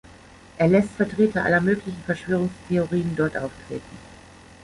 Er lässt Vertreter aller möglichen Verschwörungstheorien dort auftreten.